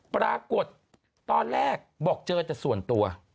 ปรากฏตอนแรกบอกเจอแต่ส่วนตัว